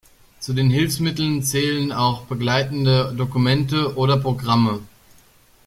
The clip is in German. Zu den Hilfsmitteln zählen auch begleitende Dokumente oder Programme.